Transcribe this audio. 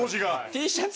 Ｔシャツ。